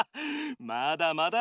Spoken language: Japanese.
まだまだ！